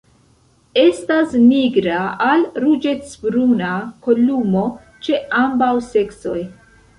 Estas nigra al ruĝecbruna kolumo ĉe ambaŭ seksoj.